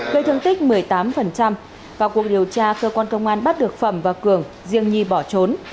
gây thương tích một mươi tám vào cuộc điều tra cơ quan công an bắt được phẩm và cường riêng nhi bỏ trốn